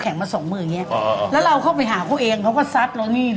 ตอนนั้นของพศ๕ร